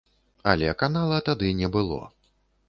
Але канала тады не было.